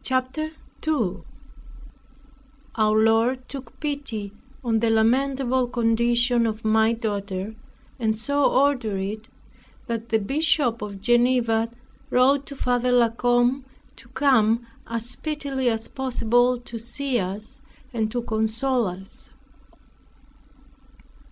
CHAPTER 2 Our Lord took pity on the lamentable condition of my daughter, and so ordered it, that the Bishop of Geneva wrote to Father La Combe, to come as speedily as possible to see us, and to console us.